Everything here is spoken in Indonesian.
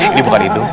ini bukan hidung